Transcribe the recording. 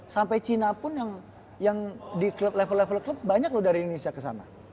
sampai cina pun yang di level level klub banyak loh dari indonesia kesana